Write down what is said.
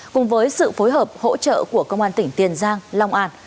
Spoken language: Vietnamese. cùng với sự phối hợp hỗ trợ của công an tỉnh tiền giang long an